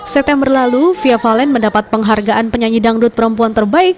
september lalu fia valen mendapat penghargaan penyanyi dangdut perempuan terbaik